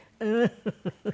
フフフフ。